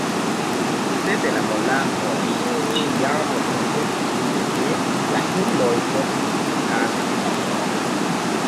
Sed la monaĥoj ĉiam kontestis, ke la hundoj portis tian ilon.